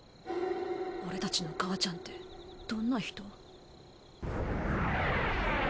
俺たちの母ちゃんってどんな人？